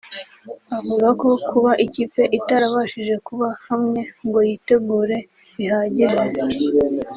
Avuga ko kuba ikipe itarabashije kuba hamwe ngo yitegure bihagije